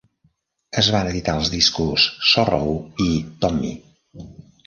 Es van editar els discos "Sorrow" i "Tommy".